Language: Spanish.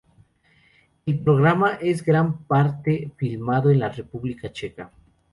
El programa es en gran parte filmado en la República Checa.